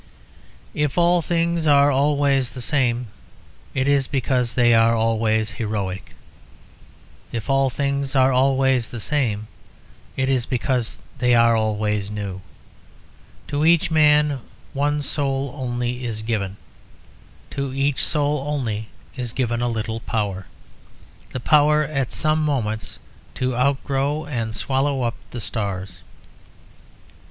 "If all things are always the same, it is because they are always heroic. If all things are always the same, it is because they are always new. To each man one soul only is given; to each soul only is given a little power the power at some moments to outgrow and swallow up the stars.